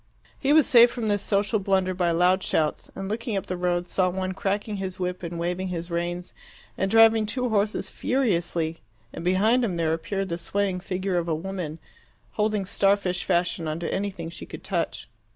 He was saved from this social blunder by loud shouts, and looking up the road saw one cracking his whip and waving his reins and driving two horses furiously, and behind him there appeared the swaying figure of a woman, holding star fish fashion on to anything she could touch.